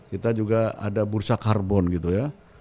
kita juga ada bursa karbon gitu ya